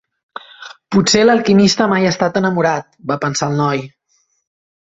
Potser l'alquimista mai ha estat enamorat, va pensar el noi.